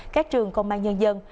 các trường công an nhân dân